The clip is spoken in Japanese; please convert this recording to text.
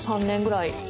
３年ぐらい。